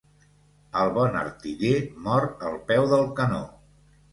El bon artiller mor al peu del canó.